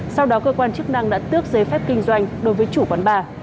sau đó cơ quan chức năng đã tước giấy phép kinh doanh đối với chủ quán bar